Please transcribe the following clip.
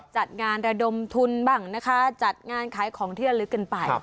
จัดงานระดมทุนบ้างนะคะจัดงานขายของที่ระลึกกันไป